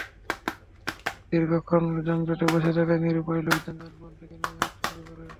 দীর্ঘক্ষণ যানজটে বসে থাকা নিরুপায় লোকজন যানবাহন থেকে নেমে হাঁটতে শুরু করে।